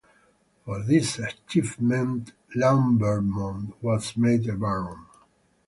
For this achievement Lambermont was made a baron.